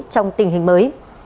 trong tình hình mới